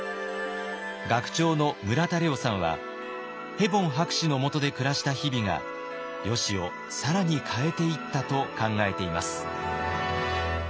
学長の村田玲音さんはヘボン博士のもとで暮らした日々がよしを更に変えていったと考えています。